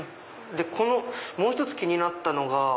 もう１つ気になったのが